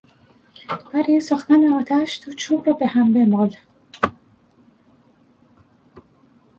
برای ساختن آتش دو چوب را به هم بمال.